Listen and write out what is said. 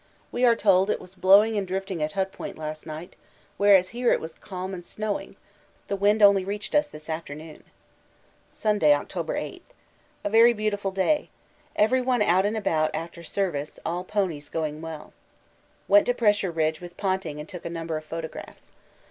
We are told it was blowing and drifting at Hut Point last night, whereas here it was calm and snowing; the wind only reached us this afternoon. Sunday, October 8. A very beautiful day. Everyone out and about after Service, all ponies going well. Went to Pressure Ridge with Ponting and took a number of photographs.